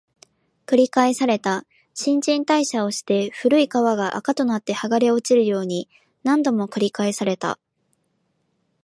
繰り返された、新陳代謝をして、古い皮が垢となって剥がれ落ちるように、何度も繰り返された